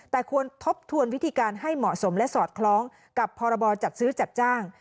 แต่ควรทบทวนวิธีการให้เหมาะสมและสอดคล้องกับพรบจัดซื้อจัดจ้าง